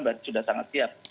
berarti sudah sangat siap